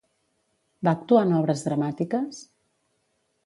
Va actuar en obres dramàtiques?